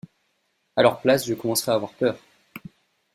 À leur place, je commencerais à avoir peur.